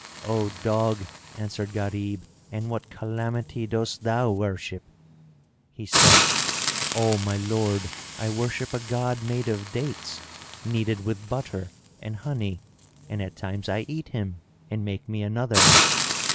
"O dog," answered Gharib, "and what calamity dost thou worship?" He said, "O my lord, I worship a god made of dates[FN#11] kneaded with butter and honey, and at times I eat him and make me another."